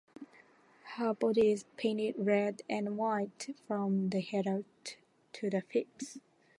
Her body is painted red and white from the head to the hips.